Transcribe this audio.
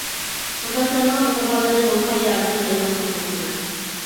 تورداشلارنىڭ بىلىدىغانلىرى بولسا ياردىمىنى ئايىماسلىقىنى ئۈمىد قىلىمەن.